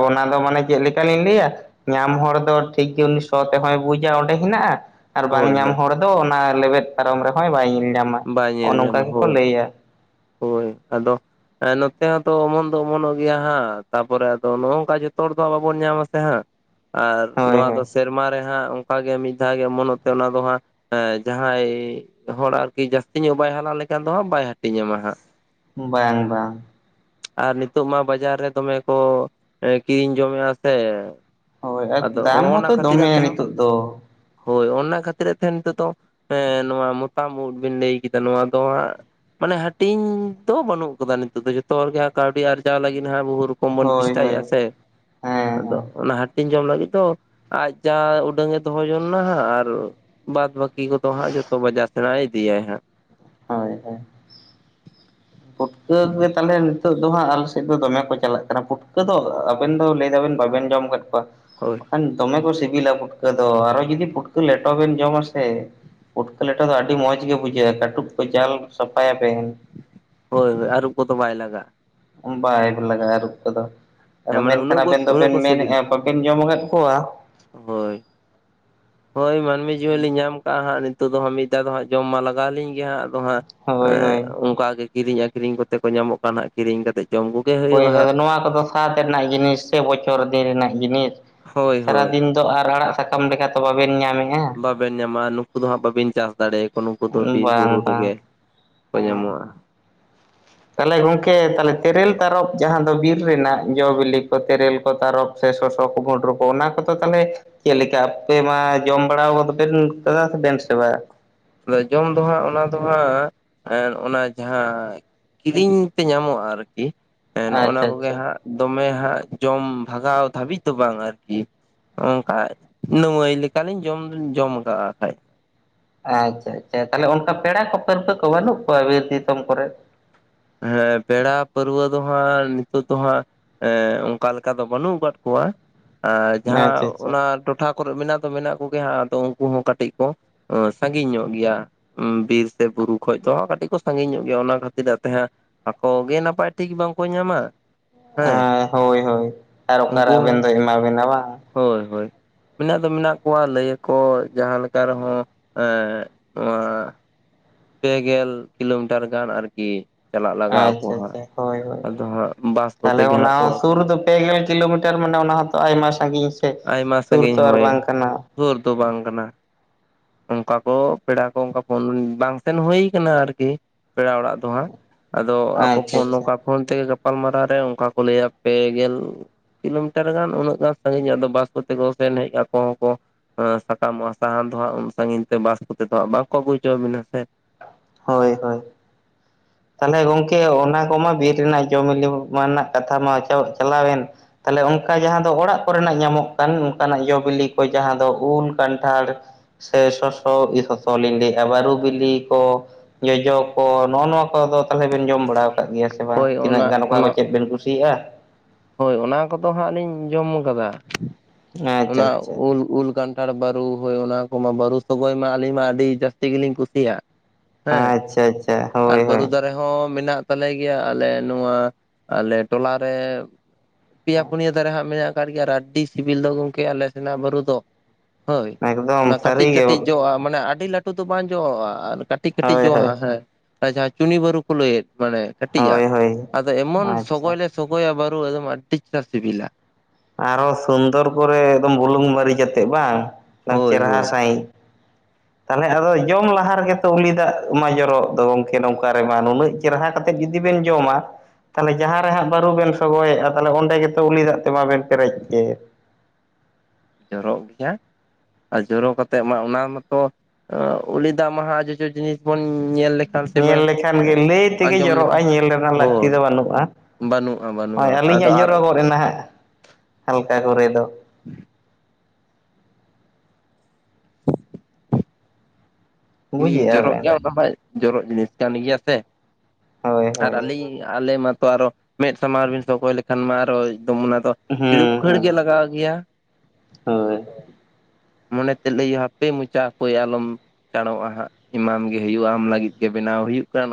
ᱚᱱᱟ ᱫᱚ ᱢᱟᱱᱮ ᱪᱮᱫ ᱞᱮᱠᱟ ᱞᱤᱧ ᱞᱟᱹᱭᱟ ᱧᱟᱢ ᱦᱚᱲ ᱫᱚ ᱴᱷᱤᱠ ᱜᱮ ᱩᱱᱤ ᱥᱚ ᱛᱮᱦᱚᱸᱭ ᱵᱩᱡᱟ ᱚᱸᱰᱮ ᱦᱮᱱᱟᱜ-ᱟ ᱟᱨ ᱵᱟᱝ ᱦᱳᱭ ᱧᱟᱢ ᱦᱳᱭ ᱦᱚᱲ ᱫᱚ ᱚᱱᱟ ᱞᱮᱵᱮᱫ ᱯᱟᱨᱚᱢ ᱨᱮᱦᱚᱸᱭ ᱵᱟᱭ ᱧᱮᱞ ᱧᱟᱢᱟ ᱵᱟᱭ ᱱᱚᱜᱚ ᱧᱮᱞ ᱱᱚᱝᱠᱟ ᱧᱟᱢᱟ ᱜᱮᱠᱚ ᱦᱳᱭ ᱞᱟᱹᱭᱟ ᱦᱳᱭ ᱟᱫᱚ ᱦᱮᱸ ᱱᱚᱛᱮ ᱦᱚᱸᱛᱚ ᱚᱢᱚᱱ ᱫᱚ ᱚᱢᱚᱱᱚᱜ ᱜᱮᱭᱟ ᱦᱟᱸᱜ ᱛᱟᱯᱚᱨᱮ ᱟᱫᱚ ᱱᱚᱜ ᱱᱚᱝᱠᱟ ᱡᱚᱛ ᱦᱚᱲ ᱫᱚ ᱵᱟᱵᱚᱱ ᱧᱟᱢ ᱟ ᱥᱮ ᱦᱟᱸᱜ ᱟᱨ ᱦᱳᱭ ᱱᱚᱣᱟ ᱫᱚ ᱦᱳᱭ ᱥᱮᱨᱢᱟ ᱨᱮ ᱦᱟᱸᱜ ᱚᱱᱠᱟᱜᱮ ᱢᱤᱫ ᱫᱷᱟᱣ ᱜᱮ ᱮᱢᱚᱱ ᱚᱢᱚᱱ ᱛᱮ ᱚᱱᱟ ᱫᱚ ᱦᱟᱸᱜ ᱦᱮᱸ ᱡᱟᱦᱟᱸᱭ ᱦᱚᱲ ᱟᱨᱠᱤ ᱡᱟᱹᱥᱛᱤ ᱧᱚᱜ ᱵᱟᱭ ᱦᱟᱞᱟᱝ ᱞᱮᱠᱷᱟᱱ ᱫᱚ ᱦᱟᱸᱜ ᱵᱟᱭ ᱦᱟᱹᱴᱤᱧᱟᱢᱟ ᱦᱟᱸᱜ ᱵᱟᱝ ᱵᱟᱝ ᱟᱨ ᱱᱤᱛᱚᱜ ᱢᱟ ᱵᱟᱡᱟᱨ ᱨᱮ ᱫᱚᱢᱮ ᱠᱚ ᱠᱤᱨᱤᱧ ᱡᱚᱢᱮᱜᱼᱟ ᱥᱮ ᱦᱳᱭ ᱟᱨ ᱟᱫᱚ ᱫᱟᱢ ᱦᱚᱸᱜᱼᱚᱱᱟ ᱦᱚᱸᱛᱚ ᱠᱷᱟᱹᱛᱤᱨᱟᱜ ᱫᱚᱢᱮᱭᱟ ᱛᱮᱦᱚᱸ ᱱᱤᱛᱳᱜ ᱫᱚ ᱦᱳᱭ ᱚᱱᱟ ᱠᱷᱟᱹᱛᱤᱨ ᱛᱮ ᱱᱤᱛᱚᱜ ᱫᱚ ᱮ ᱱᱚᱣᱟ ᱢᱚᱛᱟᱢ ᱩᱫ ᱵᱤᱱ ᱞᱟᱹᱭ ᱠᱮᱫᱟ ᱱᱚᱣᱟ ᱫᱚ ᱦᱟᱸᱜ ᱢᱟᱱᱮ ᱦᱟᱹᱴᱤᱧ ᱫᱚ ᱵᱟᱹᱱᱩᱜ ᱠᱟᱫᱟ ᱱᱤᱛᱚᱜ ᱫᱚ ᱡᱚᱛᱚ ᱦᱚᱲᱜᱮ ᱦᱟᱸᱜ ᱠᱟᱹᱣᱰᱤ ᱟᱨᱡᱟᱣ ᱞᱟᱹᱜᱤᱫ ᱦᱟᱸᱜ ᱵᱩᱦᱩ ᱠᱚ ᱵᱚᱱ ᱦᱳᱭ ᱦᱳᱭ ᱪᱮᱥᱴᱟᱭᱮᱫ-ᱟ ᱥᱮ ᱦᱮᱸ ᱟᱫᱚ ᱦᱮᱸ ᱚᱱᱟ ᱡᱚᱢ ᱞᱟᱹᱜᱤᱫ ᱫᱚ ᱟᱡ ᱡᱟ ᱩᱰᱟᱹᱝ ᱮ ᱫᱚᱦᱚ ᱡᱚᱝ ᱱᱟ ᱦᱟᱸᱜ ᱟᱨ ᱵᱟᱫ ᱵᱟᱠᱤ ᱠᱚ ᱦᱟᱸ ᱡᱚᱛᱚ ᱵᱟᱡᱟᱨ ᱥᱱᱟᱭ ᱤᱫᱤ-ᱟ ᱦᱟᱸ ᱦᱳᱭ ᱦᱳᱭ ᱯᱷᱩᱴᱠᱟᱹ ᱜᱮ ᱛᱟᱦᱚᱞᱮ ᱱᱤᱛᱚᱜ ᱫᱚ ᱦᱟᱸᱜ ᱟᱞᱮ ᱥᱮᱫ ᱫᱚᱢᱮ ᱠᱚ ᱪᱟᱞᱟᱜ ᱠᱟᱱᱟ ᱯᱷᱩᱴᱠᱟᱹ ᱫᱚ ᱟᱵᱮᱱ ᱫᱚ ᱞᱟᱹᱭ ᱫᱟᱵᱮᱱ ᱵᱟᱵᱮᱱ ᱡᱚᱢ ᱟᱠᱟᱫ ᱠᱚᱣᱟ ᱦᱳᱭ ᱵᱟᱠᱷᱟᱱ ᱫᱚᱢᱮ ᱠᱚ ᱥᱤᱵᱤᱞᱟ ᱯᱷᱩᱴᱠᱟᱹ ᱫᱚ ᱟᱨᱦᱚ ᱡᱩᱫᱤ ᱯᱷᱩᱴᱠᱟᱹ ᱞᱮᱴᱚ ᱵᱮᱱ ᱡᱚᱢ ᱟ ᱥᱮ ᱩᱩᱴᱠᱟᱹ ᱞᱮᱴᱟ ᱫᱚ ᱟᱹᱰᱤ ᱢᱚᱸᱡᱽ ᱜᱮ ᱵᱩᱡᱷᱟᱹᱜ-ᱟ ᱠᱟᱹᱴᱩᱵ ᱠᱚ ᱡᱟᱞ ᱥᱟᱯᱷᱟᱭᱟ ᱵᱤᱱ ᱦᱳᱭ ᱦᱳᱭ ᱟᱨᱩᱵ ᱠᱚᱫᱚ ᱵᱟᱭ ᱞᱟᱜ- ᱟ ᱵᱟᱭᱜ ᱞᱟᱜ-ᱟ ᱟᱨᱩᱵ ᱠᱚ ᱫᱚ ᱟᱫᱚ ᱦᱮᱸ ᱢᱟᱱᱮ ᱢᱮᱱᱠᱷᱟᱱ ᱩᱱᱟᱹᱜ ᱠᱚ ᱟᱵᱮᱱ ᱩᱱᱟᱹᱜ ᱫᱚᱵᱮᱱ ᱠᱚ ᱢᱮᱱᱮᱫ-ᱟ ᱥᱤᱵᱤᱞᱟ ᱵᱟᱵᱮᱱ ᱡᱚᱢ ᱟᱠᱟᱫ ᱠᱚᱣᱟ ᱦᱳᱭ ᱦᱳᱭ ᱢᱟᱹᱱᱢᱤ ᱡᱤᱣᱚᱱᱞᱤᱤ ᱧᱟᱢ ᱠᱟᱜ-ᱟ ᱦᱟᱸᱜ ᱱᱤᱛᱳᱜ ᱫᱚᱦᱜ ᱢᱤᱫ ᱫᱣ ᱫᱚ ᱦᱟᱸᱜ ᱡᱚᱢ ᱢᱟ ᱞᱟᱜᱟᱣᱣᱟᱞᱤᱧ ᱜᱮ ᱦᱟᱸᱜ ᱫᱚ ᱦᱟᱸᱜ ᱮ ᱦᱳᱭ ᱦᱳᱭ ᱚᱱᱠ ᱜᱮ ᱠᱤᱨᱤᱧ ᱟᱠᱷᱨᱤᱧ ᱠᱚ ᱠᱟᱛᱮ ᱠᱚ ᱧᱟᱢᱚᱜ ᱠᱟᱱᱟ ᱦᱜ ᱠᱤᱨᱤᱧ ᱠᱟᱛᱮᱜ ᱡᱚᱢ ᱦ ᱦᱩᱭᱩᱜᱼᱟ ᱦᱟᱸᱜ ᱟ ᱱᱚᱣᱟ ᱠᱚᱫᱚ ᱥᱟᱛ ᱨᱮᱱᱟᱜ ᱡᱤᱱᱤᱥ ᱥᱮ ᱵᱚᱪᱷᱚᱨ ᱫᱤᱱ ᱨᱮᱱᱟᱜ ᱡᱤᱱᱤᱥ ᱦᱳᱭ ᱦᱳᱭ ᱥᱟᱨᱟᱫᱤᱱ ᱫᱚ ᱟᱨ ᱟᱲᱟᱜ ᱥᱟᱠᱟᱢ ᱞᱮᱠᱟ ᱛᱚ ᱵᱟᱵᱮᱱ ᱧᱟᱢᱮ ᱵᱟᱵᱮᱱ ᱧᱟᱢᱟ ᱱᱩᱠᱩ ᱫᱚ ᱦᱟᱸᱜ ᱵᱟᱵᱤᱱ ᱪᱟᱥ ᱫᱟᱲᱮᱭᱟᱠᱚ ᱱᱩᱠᱩ ᱫᱚ ᱵᱤᱨ ᱵᱟᱝ ᱵᱩᱨᱩ ᱵᱟᱝ ᱨᱮᱜᱮ ᱠᱚ ᱦᱮᱸ ᱧᱟᱢᱚᱜ-ᱟ ᱛᱟᱦᱚᱞᱮ ᱜᱚᱢᱠᱮ ᱛᱟᱦᱚᱞᱮ ᱛᱮᱨᱮᱞ ᱛᱟᱨᱚᱯ ᱡᱟᱦᱟᱸ ᱫᱚ ᱵᱤᱨ ᱨᱮᱱᱟᱜ ᱡᱚ ᱵᱤᱞᱤ ᱠᱚ ᱛᱮᱨᱮᱞ ᱠᱚ ᱛᱟᱨᱚᱯ ᱥᱮ ᱥᱚᱥ ᱠᱩ ᱵᱷᱩᱰᱨᱩ ᱠᱚ ᱚᱱᱟ ᱠᱚᱫᱚ ᱛᱟᱦᱚᱞᱮ ᱪᱮᱫᱞ ᱞᱮᱠᱟ ᱟᱯᱮ ᱢᱟ ᱡᱚᱢ ᱵᱟᱲᱟᱫᱚᱯᱮᱱ ᱠᱟᱫᱟ ᱥᱮᱵᱮᱱ ᱥᱮ ᱵᱟᱝ ᱟᱫᱚ ᱡᱚᱢ ᱫᱚ ᱦᱟᱸᱜ ᱚᱱᱟ ᱫᱚ ᱦᱟᱸᱜ ᱚᱱᱟ ᱡᱟᱦᱟᱸ ᱠᱤᱨᱤᱧ ᱛᱮ ᱧᱟᱢᱚᱜ-ᱟ ᱟᱨᱠᱤ ᱱᱚᱜ-ᱱᱟ ᱟᱪᱪᱷᱟ ᱠᱚᱜᱮ ᱟᱪᱪᱷᱟ ᱦᱟᱸᱜ ᱫᱚᱢᱮ ᱦᱟᱸᱜ ᱡᱚᱢ ᱵᱷᱟᱜᱟᱣ ᱫᱷᱟᱹᱵᱤᱡ ᱫᱚ ᱵᱟᱝ ᱟᱨᱠᱤ ᱚᱱᱠᱟ ᱱᱟᱹᱣᱟᱹᱭ ᱞᱮᱠᱟᱞᱤᱧ ᱡᱚᱢ ᱡᱚᱢ ᱟᱠᱟᱜ ᱠᱷᱟᱱᱡ ᱟᱪᱪᱷᱟ ᱟᱪᱪᱷᱟ ᱛᱟᱦᱚᱞᱮ ᱚᱱᱠᱟ ᱯᱮᱲᱟ ᱠᱚ ᱯᱟᱹᱨᱵᱟᱹ ᱠᱚ ᱵᱟᱹᱱᱩᱜ ᱠᱚᱣᱟ ᱵᱤᱨ ᱫᱤᱥᱚᱢ ᱠᱚᱨᱮ ᱦᱮᱸ ᱯᱮᱲᱟ ᱯᱟᱹᱨᱣᱟᱹ ᱫᱚ ᱦᱟᱸᱜ ᱱᱤᱛᱳ ᱫᱚ ᱦᱟᱸᱜ ᱚᱱᱠᱟ ᱞᱮᱠᱟ ᱫᱚ ᱵᱟᱹᱱᱩᱜ ᱟᱠᱟᱫ ᱠᱚᱣᱟ ᱟᱨ ᱟᱪᱪᱷᱟ ᱡᱟᱦᱟᱸ ᱚᱱᱟ ᱴᱚᱴᱷᱟ ᱠᱚ ᱢᱮᱱᱟᱜ ᱫᱚ ᱢᱮᱱᱟᱜ ᱠᱚᱜᱮ ᱦᱟᱸᱜᱫᱚ ᱩᱱᱠᱩ ᱦᱚᱸ ᱠᱟᱹᱴᱤᱡ ᱠᱚ ᱥᱟᱺᱜᱤᱧ ᱧᱚᱜ ᱜᱮᱭᱟ ᱵᱤᱨ ᱥᱮ ᱵᱩᱨᱩ ᱠᱷᱚᱡ ᱫᱚ ᱦᱟᱸᱜ ᱠᱟᱹᱴᱤᱡ ᱠᱚ ᱥᱟᱺᱜᱤᱧ ᱧᱚᱜ ᱜᱮᱭᱟ ᱚᱱᱟ ᱠᱷᱟᱹᱛᱤᱨ ᱟᱜᱛᱮ ᱦᱟᱸᱜ ᱟᱠᱚ ᱜᱮ ᱱᱟᱯᱟᱭ ᱴᱷᱤᱠ ᱵᱟᱝᱠᱚ ᱧᱟᱢᱟ ᱦᱮᱸ ᱦᱳᱭ ᱦᱳᱭ ᱟᱨ ᱚᱠᱟᱨᱮ ᱩᱱᱠᱩ ᱟᱵᱮᱱ ᱦᱚᱸ ᱫᱚ ᱮᱢᱟ ᱵᱮᱱᱟ ᱵᱟᱝ ᱦᱳᱭ ᱦᱳᱭ ᱢᱮᱱᱟᱜ ᱫᱚ ᱢᱮᱱᱟᱜ ᱠᱚᱣᱟ ᱞᱟᱹᱭᱟᱚ ᱡᱟᱦᱟᱸ ᱞᱮᱠᱟ ᱨᱮᱦᱚᱸ ᱱᱚᱣᱟ ᱯᱮᱜᱮᱞ ᱠᱤᱞᱳᱢᱤᱴᱟᱨ ᱜᱟᱱ ᱟᱨᱠᱤ ᱪᱟᱞᱟᱜ ᱞᱟᱜᱟᱜ ᱟᱠᱚ ᱟᱪᱪᱷᱟ ᱦᱟᱸᱜ ᱟᱪᱪᱷᱟ ᱦᱳᱭ ᱦᱳᱭ ᱟᱫᱚ ᱦᱟᱸᱜ ᱵᱟᱥ ᱠᱚᱛᱮ ᱛᱟᱦᱚᱞᱮ ᱜᱮ ᱚᱱᱟ ᱦᱟᱸᱜ ᱠᱚ ᱦᱚᱸ ᱥᱩᱨ ᱫᱚ ᱯᱮ ᱜᱮᱞ ᱠᱤᱞᱳᱢᱤᱴᱟᱨ ᱢᱟᱱᱮ ᱚᱱᱟ ᱦᱚᱸᱛᱚ ᱟᱭᱢᱟ ᱥᱟᱺᱜᱤᱧ ᱥᱮ ᱥᱩᱨ ᱛᱚ ᱟᱨ ᱵᱟᱝ ᱠᱟᱱᱟ ᱦᱚᱨ ᱫᱚ ᱵᱟᱝ ᱠᱟᱱᱟ ᱚᱱᱠᱟ ᱠᱚ ᱯᱮᱲᱟ ᱠᱚ ᱚᱱᱠᱟ ᱵᱟᱝ ᱥᱮᱱ ᱦᱩᱭ ᱠᱟᱱᱟ ᱟᱨᱠᱤ ᱯᱮᱲᱟ ᱚᱲᱟᱜ [unintelligible] ᱟᱫᱚ ᱟᱠᱚ ᱠᱚ ᱟᱪᱪᱷᱟ ᱟᱪᱪᱷᱟ ᱱᱚᱝᱠᱟ ᱯᱷᱳᱱ ᱛᱮᱜᱮ ᱜᱟᱯᱟᱞᱢᱟᱨᱟᱣ ᱨᱮ ᱚᱱᱠᱟ ᱠᱚ ᱞᱟᱹᱭᱟ ᱯᱮ ᱜᱮᱞ ᱠᱤᱞᱳᱢᱤᱴᱟᱨ ᱜᱟᱱ ᱩᱱᱟᱹᱜ ᱜᱟᱱ ᱥᱟᱜᱤᱧ ᱟᱫᱚ ᱵᱟᱥ ᱠᱚᱛᱮ ᱠᱚ ᱥᱮᱱ ᱦᱮᱡ ᱟᱠᱚ ᱦᱚᱸ ᱠᱚ ᱥᱟᱠᱟᱢᱚᱜᱼᱟ ᱥᱟᱦᱟᱱ ᱫᱚ ᱦᱟᱸᱜ ᱩᱱ ᱥᱟᱺᱜᱤᱧ ᱛᱮ ᱵᱟᱥ ᱠᱚᱛᱮ ᱫᱚ ᱦᱟᱸᱜ ᱵᱟᱝ ᱠᱚ ᱟᱹᱜᱩ ᱦᱚᱪᱚᱣᱟᱵᱤᱱᱟ ᱥᱮ ᱦᱳᱭ ᱦᱳᱭ ᱛᱟᱦᱚᱞᱮ ᱜᱚᱢᱠᱮ ᱚᱱᱟ ᱠᱚᱢᱟ ᱵᱤᱨ ᱨᱮᱱᱟᱜ ᱡᱚᱢ ᱧᱩ ᱢᱟ ᱨᱮᱱᱟᱜ ᱠᱟᱛᱷᱟ ᱢᱟ ᱪᱟᱞᱟᱣᱮᱱ ᱛᱟᱦᱚᱞᱮ ᱚᱱᱠᱟ ᱡᱟᱦᱟᱸ ᱫᱚ ᱚᱲᱟᱜ ᱠᱚᱨᱮᱱᱟᱜ ᱧᱟᱢᱚᱜ ᱠᱟᱱ ᱚᱱᱠᱟᱱᱟᱜ ᱡᱚ ᱵᱤᱞᱤ ᱠᱚ ᱡᱟᱦᱟᱸ ᱫᱚ ᱩᱞ ᱠᱟᱱᱴᱷᱟᱲ ᱥᱮ ᱥᱚᱥᱚ ᱥᱚᱥ ᱞᱤᱧ ᱞᱟᱹᱭᱮᱜᱼᱟ ᱵᱟᱨᱩ ᱵᱤᱞᱤ ᱠᱚ ᱡᱚᱡᱚ ᱠᱚ ᱱᱚᱜᱼᱚ ᱱᱚᱣᱟ ᱠᱚ ᱚ ᱠᱚᱫᱚ ᱛᱟᱦᱚᱞᱮ ᱵᱮᱱ ᱡᱚᱢ ᱵᱟᱲᱟ ᱠᱟᱜ ᱜᱮᱭᱟ ᱥᱮ ᱵᱟᱝ ᱦᱳᱭ ᱛᱤᱱᱟᱹᱜ ᱚᱱᱟ ᱜᱟᱱ ᱚᱠᱟ ᱠᱚ ᱚᱱᱟ ᱪᱮᱫ ᱵᱮᱱ ᱠᱩᱥᱤᱭᱟᱜᱼᱟ ᱦᱳᱭ ᱚᱱᱟ ᱠᱚᱫᱚ ᱦᱟᱸᱜ ᱞᱤᱧ ᱡᱚᱢ ᱠᱟᱫᱟ [inaudible] ᱟᱪᱪᱷᱟ ᱚᱱᱟ ᱟᱪᱪᱷᱟ ᱩᱞ ᱩᱞ ᱜᱟᱱ ᱟᱴᱷᱟᱲ ᱵᱟᱹᱨᱩ ᱦᱳᱭ ᱚᱱᱟ ᱠᱚᱢᱟ ᱵᱟᱹᱨᱩ ᱥᱚᱜᱚᱭ ᱢᱟ ᱟᱹᱞᱤᱧ ᱢᱟ ᱟᱹᱰᱤ ᱡᱟᱹᱥᱛᱤ ᱜᱮᱞᱤᱧ ᱠᱩᱥᱤᱭᱟᱜᱼᱟ ᱦᱮᱸ ᱦᱮᱸ ᱟᱪᱪᱷᱟ ᱟᱪᱪᱷᱟ ᱟᱨ ᱦᱳᱭ ᱦᱳᱭ ᱵᱟᱨᱩᱫᱟ ᱨᱮᱦᱚᱸ ᱢᱮᱱᱟᱜ ᱛᱟᱞᱮ ᱜᱮᱭᱟ ᱟᱞᱮ ᱱᱚᱣᱟ ᱟᱞᱮ ᱴᱚᱞᱟᱨᱮ ᱯᱮᱭᱟ ᱯᱩᱱᱭᱟᱹ ᱫᱟᱨᱮ ᱦᱟᱸᱜ ᱢᱮᱱᱟᱜ ᱠᱟᱫ ᱜᱮᱭᱟ ᱟᱹᱰᱤ ᱥᱤᱵᱤᱞ ᱫᱚ ᱜᱚᱝᱠᱮ ᱟᱞᱮ ᱥᱮᱱᱟᱜ ᱵᱩᱨᱩ ᱫᱚ ᱦᱳᱭ ᱮᱠᱫᱚᱢ ᱚᱱᱟ ᱠᱟᱹᱴᱤᱡ ᱥᱟᱹᱨᱤᱜᱮ ᱠᱟᱹᱴᱤᱡ ᱡᱚᱜᱼᱟ ᱢᱟᱱᱮ ᱟᱹᱰᱤ ᱞᱟᱹᱴᱩ ᱫᱚ ᱵᱟᱝ ᱡᱚᱜᱼᱟ ᱟᱨ ᱠᱟᱹᱴᱤᱡ ᱠᱟᱹᱴᱤᱡ ᱦᱳᱭ ᱦᱳᱭ ᱡᱚᱟ ᱦᱮᱸ ᱟᱨ ᱡᱟᱦᱟᱸ ᱪᱩᱱᱤ ᱵᱟᱹᱨᱩ ᱠᱚ ᱞᱟᱹᱭᱮᱫ ᱢᱟᱱᱮ ᱠᱟᱹᱴᱤᱡ ᱟᱜ ᱦᱳᱭ ᱦᱳᱭ ᱟᱫᱚ ᱮᱢᱚᱱ ᱟᱪᱪᱷᱟ ᱥᱚᱜᱚᱭ ᱞᱮ ᱥᱚᱜᱚᱭᱟ ᱵᱟᱨᱩ ᱮᱠᱫᱚᱢ ᱟᱹᱰᱤ ᱪᱟᱥ ᱥᱤᱵᱤᱞᱟ ᱟᱨᱦᱚ ᱥᱩᱱᱫᱚᱨ ᱠᱚᱨᱮ ᱮᱠᱫᱚᱢ ᱵᱩᱞᱩᱝ ᱢᱟᱹᱨᱤᱪ ᱟᱛᱮᱜ ᱵᱟᱝ? ᱦᱳᱭ ᱪᱮᱨᱦᱟ ᱦᱳᱭ ᱥᱟᱭᱤᱡ ᱛᱟᱦᱚᱞᱮ ᱟᱫᱚ ᱡᱚᱢ ᱞᱟᱦᱟ ᱨᱮᱜᱮ ᱛᱚ ᱩᱞᱤ ᱫᱟᱜ ᱢᱟ ᱡᱚᱨᱚᱜ ᱫᱚ ᱜᱚᱢᱠᱮ ᱱᱚᱝᱠᱟ ᱨᱮᱢᱟ ᱱᱩᱱᱟᱹᱜ ᱪᱮᱨᱦᱟ ᱠᱟᱛᱮᱫ ᱡᱩᱫᱤ ᱵᱮᱱ ᱡᱚᱢᱟ ᱛᱟᱦᱚᱞᱮ ᱡᱟᱦᱟᱸ ᱨᱮ ᱦᱟᱸᱜ ᱵᱟᱹᱨᱩ ᱵᱮᱱ ᱥᱚᱜᱚᱭᱮᱜᱼᱟ ᱛᱟᱦᱚᱞᱮ ᱚᱸᱰᱮ ᱜᱮᱛᱚ ᱩᱞᱤ ᱫᱟᱜ ᱛᱮ ᱢᱟᱵᱮᱱ ᱯᱮᱨᱮᱡ ᱠᱮᱜ ᱡᱚᱨᱚᱜ ᱜᱮᱭᱟ ᱟᱨ ᱡᱚᱨᱚ ᱠᱟᱛᱮᱜ ᱢᱟ ᱚᱱᱟ ᱢᱟᱛᱚ ᱩᱞᱤ ᱫᱟᱜ ᱢᱟᱛᱚ ᱡᱚᱡᱚ ᱡᱤᱱᱤᱥ ᱵᱚᱱ ᱧᱮᱞ ᱞᱮᱠᱷᱟᱱ ᱥᱮ ᱧᱮᱞ ᱞᱮᱠᱷᱟᱱ ᱜᱮ ᱞᱟᱹᱭ ᱛᱮᱜᱮ ᱟᱸᱡᱚᱢ ᱡᱚᱨᱚᱜᱼᱟ ᱞᱮᱠᱷᱟᱱ ᱧᱮᱞ ᱨᱮᱱᱟᱜ ᱞᱟᱹᱠᱛᱤ ᱦᱳᱭ ᱫᱚ ᱵᱟᱹᱱᱩᱜᱼᱟ ᱵᱟᱹᱱᱩᱜᱼᱟ ᱦᱳᱭ ᱵᱟᱹᱱᱩᱜᱼᱟ ᱟᱫᱚ ᱟᱹᱞᱤᱧᱟᱜ ᱟᱨ ᱡᱚᱨᱚᱜ ᱜᱚᱫ ᱮᱱᱟ ᱦᱟᱸᱜ ᱦᱟᱞᱠᱟ ᱠᱚᱨᱮ ᱫᱚ [inaudible] ᱦᱮᱸ ᱵᱩᱡᱮᱜᱼᱟ ᱡᱚᱨᱚᱜ ᱵᱮᱱ ᱜᱮᱭᱟ ᱚᱱᱟ ᱢᱟ ᱡᱚᱨᱚᱜ ᱡᱤᱱᱤᱥ ᱠᱟᱱ ᱜᱮᱭᱟ ᱛᱮ ᱦᱳᱭ ᱟᱨ ᱦᱳᱭ ᱟᱞᱤᱧ ᱟᱞᱮ ᱢᱟᱛᱚ ᱟᱨᱚ ᱢᱮᱫ ᱥᱟᱢᱟᱝ ᱨᱮᱵᱤᱱ ᱥᱚᱜᱚᱭ ᱞᱮᱠᱷᱟᱱ ᱢᱟ ᱟᱨᱚ ᱮᱠᱫᱚᱢ ᱚᱱᱟ ᱫᱚ ᱦᱩᱸ ᱦᱩᱸ ᱠᱩᱲᱟ ᱜᱮᱭᱟ ᱦᱳᱭ ᱢᱚᱱᱮ ᱛᱮ ᱞᱟᱹᱭ ᱦᱟᱯᱮ ᱢᱚᱪᱟᱠᱚᱭ ᱟᱞᱚᱢ ᱪᱟᱬᱚᱜᱼᱟ ᱦᱟᱸᱜ ᱮᱢᱟᱢ ᱜᱮ ᱦᱩᱭᱩᱜᱼᱟ ᱟᱢ ᱞᱟᱹᱜᱤᱫ ᱜᱮ ᱵᱮᱱᱟᱣ ᱦᱩᱭᱩᱜ ᱠᱟᱱ